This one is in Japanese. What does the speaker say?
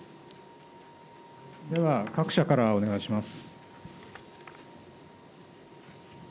では各社からお願いします。